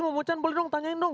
mau bocan boleh dong tanyain dong